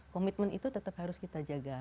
komitmen itu tetap harus kita jaga